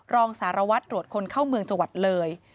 รองสารวัตรตรวจคนเข้าเมืองจังหวัดเลย